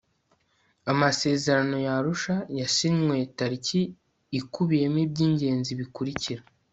amasezerano ya arusha yasinywe tariki ikubiyemo ibyingenzi bikurikira